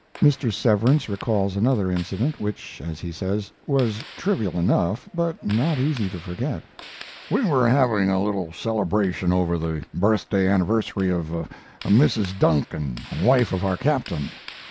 Mr. Severance recalls another incident which, as he says, was trivial enough, but not easy to forget: We were having a little celebration over the birthday anniversary of Mrs. Duncan, wife of our captain.